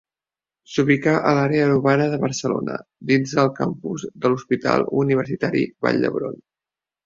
S’ubica a l’àrea urbana de Barcelona, dins del campus de l'Hospital Universitari Vall d'Hebron.